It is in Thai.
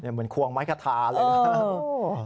เหมือนควงไม้คาทาเลยนะ